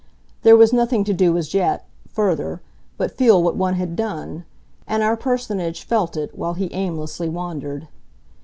There was nothing to do as yet, further, but feel what one had done, and our personage felt it while he aimlessly wandered.